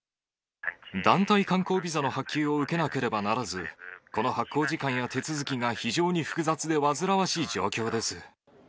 団体観光ビザの発給を受けなければならず、この発行時間や手続きが非常に複雑で煩わしい状況です。